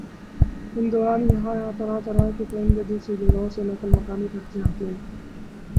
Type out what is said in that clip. اس دوران یہاں طرح طرح کے پرندے دوسری جگہوں سے نقل مکانی کرکے آتے ہیں